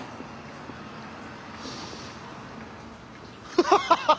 ハハハハッ！